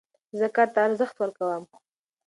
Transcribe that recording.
زه کار ته ارزښت ورکوم.